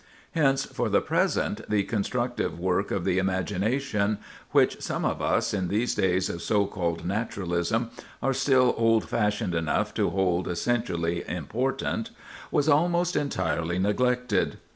Hence, for the present, the constructive work of the imagination—which some of us, in these days of so called Naturalism, are still old fashioned enough to hold essentially important—was almost entirely neglected.